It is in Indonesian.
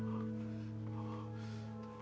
bukan dia pencuri yang kalian maksud